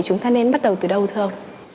chúng ta nên bắt đầu từ đâu thưa ông